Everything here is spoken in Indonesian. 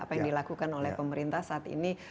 apa yang dilakukan oleh pemerintah saat ini